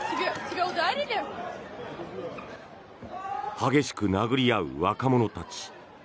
激しく殴り合う若者たち。